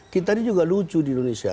kita ini juga lucu di indonesia